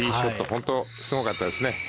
本当にすごかったですね。